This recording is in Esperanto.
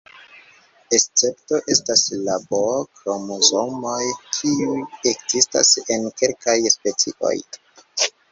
Escepto estas la B-kromosomoj, kiuj ekzistas en kelkaj specioj.